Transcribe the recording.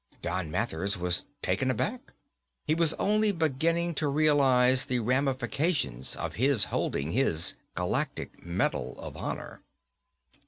Don Mathers was taken aback. He was only beginning to realize the ramifications of his holding his Galactic Medal of Honor.